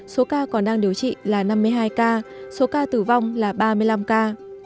số ca còn đang điều trị là năm mươi hai ca số ca tử vong là ba mươi năm ca